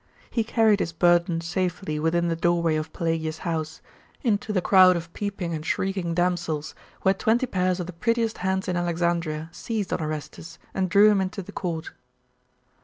He carried his burden safely within the doorway of Pelagia's house, into the crowd of peeping and shrieking damsels, where twenty pairs of the prettiest hands in Alexandria seized on Orestes, and drew him into the court.